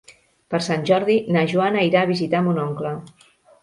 Per Sant Jordi na Joana irà a visitar mon oncle.